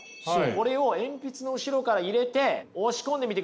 これを鉛筆の後ろから入れて押し込んでみてください。